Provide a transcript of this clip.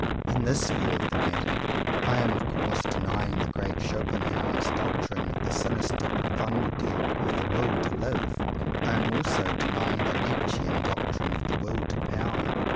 In this view of the matter I am of course denying the great Schopenhauer's doctrine of the sinister profundity of the "Will to live." I am also denying the Nietzschean doctrine of the "Will to Power."